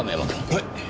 はい！